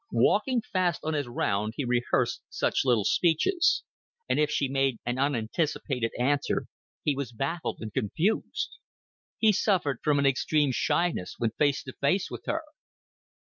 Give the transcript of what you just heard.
Walking fast on his round he rehearsed such little speeches, and if she made an unanticipated answer he was baffled and confused. He suffered from an extreme shyness when face to face with her.